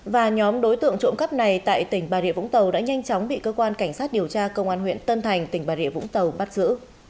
và nhóm đối tượng trộm cắp này tại tỉnh bà rịa vũng tàu đã nhanh chóng bị cơ quan cảnh sát điều tra công an huyện tân thành tỉnh bà rịa vũng tàu bắt giữ